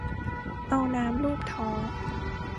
เอาน้ำลูบท้อง